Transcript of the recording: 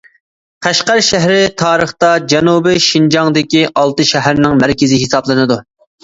قەشقەر شەھىرى تارىختا جەنۇبىي شىنجاڭدىكى ئالتە شەھەرنىڭ مەركىزى ھېسابلىنىدۇ.